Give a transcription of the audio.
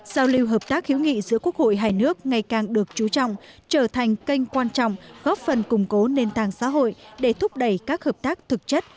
giao lưu hợp tác hiếu nghị giữa quốc hội hai nước ngày càng được chú trọng trở thành kênh quan trọng góp phần củng cố nền tảng xã hội để thúc đẩy các hợp tác thực chất